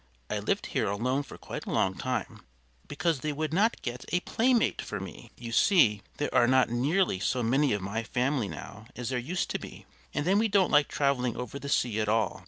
I lived here alone for quite a long time, because they would not get a playmate for me. You see, there are not nearly so many of my family now as there used to be, and then we don't like traveling over the sea at all.